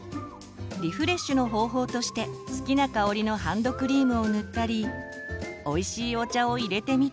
リフレッシュの方法として好きな香りのハンドクリームを塗ったりおいしいお茶をいれてみたり。